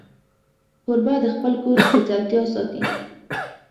کوربه د خپل کور سپېڅلتیا ساتي.